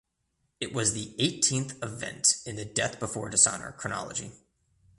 It was the eighteenth event in the Death Before Dishonor chronology.